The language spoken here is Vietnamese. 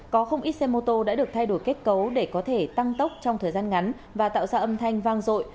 có không ít xe mô tô đã được thay đổi kết cấu để có thể tăng tốc trong thời gian ngắn và tạo ra âm thanh vang rội